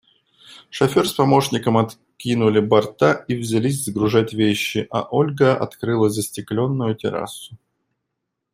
Шофер с помощником откинули борта и взялись сгружать вещи, а Ольга открыла застекленную террасу.